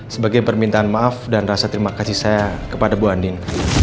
sebagai permintaan maaf dan rasa terima kasih saya kepada bu andin